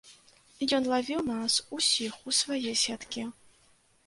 Ён лавіў нас усіх у свае сеткі.